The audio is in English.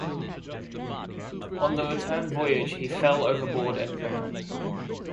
On the return voyage he fell overboard and drowned.